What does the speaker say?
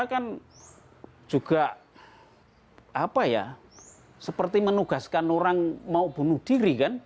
kan juga apa ya seperti menugaskan orang mau bunuh diri kan